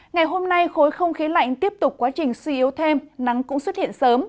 ngày hôm nay khối không khí lạnh tiếp tục quá trình suy yếu thêm nắng cũng xuất hiện sớm